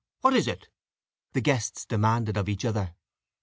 what is it?" the guests demanded of each other.